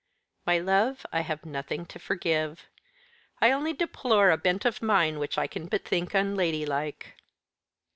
"My love, I have nothing to forgive. I only deplore a bent of mind which I can but think unladylike."